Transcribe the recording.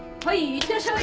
いってらっしゃい！